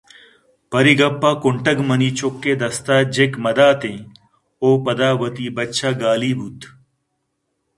پرے گپّ ءَ کُنٹگ منی چُکّ ءِ دست ءَ جِکّ مہ داتیںءُ پدا وتی بچّ ءَ گالی بُوت